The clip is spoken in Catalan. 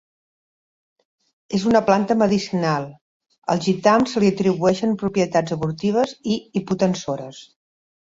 És una planta medicinal; al gitam se li atribueixen propietats abortives i hipotensores.